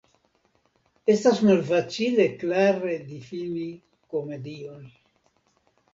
Estas malfacile klare difini komedion.